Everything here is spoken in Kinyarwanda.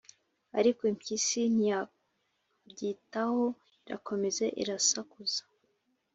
ariko impyisi ntiyabyitaho irakomeza irasakuza